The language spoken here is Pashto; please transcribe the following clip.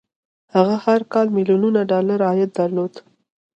هغه هر کال ميليونونه ډالر عايد درلود.